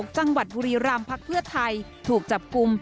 จังหวัดบุรีรำพักเพื่อไทยถูกจับกลุ่ม